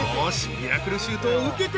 ミラクルシュートを受けてみろ］